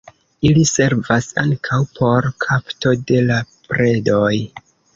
Ili servas ankaŭ por kapto de la predoj.